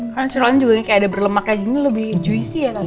karena sirloin juga kayak ada berlemaknya gitu lebih juicy ya tante